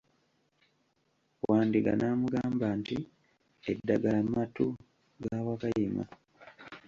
Wandiga n'amugamba nti, eddagala mattu ga Wakayima.